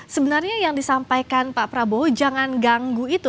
sebenarnya yang disampaikan pak prabowo jangan ganggu itu